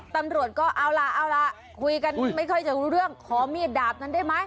ตำรวจก็เอาลากุยกันไม่ถึงว่าจะรู้เรื่องขอมีดดาบนั้นได้มั้ย